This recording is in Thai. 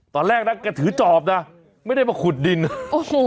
ตอนแรกนะแกถือจอบนะไม่ได้มาขุดดินนะโอ้โห